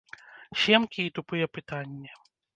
Семкі і тупыя пытанні.